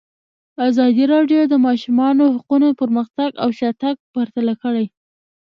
ازادي راډیو د د ماشومانو حقونه پرمختګ او شاتګ پرتله کړی.